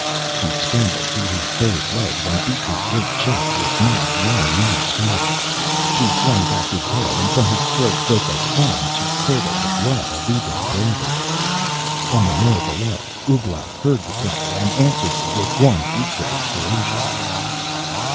He scrambled to his bowed legs and beat his great chest with mighty, long nailed hands. He flung back his head and from his throat broke a sound to curdle the blood of even the bravest. On the moor below Ouglat heard the cry and answered it with one equally ferocious.